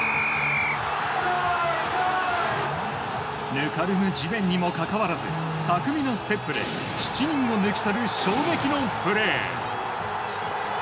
ぬかるむ地面にもかかわらず巧みなステップで７人を抜き去る衝撃のプレー。